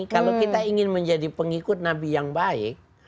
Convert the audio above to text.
kalau kita ingin menjadi pengikut nabi yang baik